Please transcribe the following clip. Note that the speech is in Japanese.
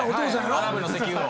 アラブの石油王。